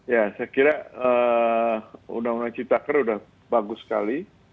ya saya kira undang undang citaker udah bagus sekali